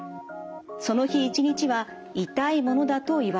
その日一日は痛いものだと言われました。